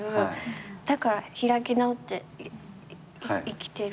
だから開き直って生きてる感じ。